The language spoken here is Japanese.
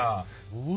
うわ！